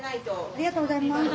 ありがとうございます。